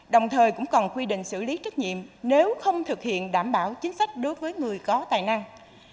đồng thời cũng cần quy định xử lý trách nhiệm nếu không thực hiện đảm bảo chính sách đối với người có tài năng